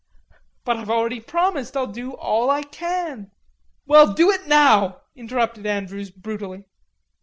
"But I've already promised I'll do all I can...." "Well, do it now," interrupted Andrews brutally.